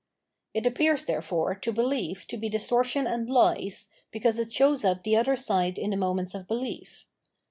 It appears, therefore, to behef! to be distortion and hes, because it shows up the other j' side in the moments of behef.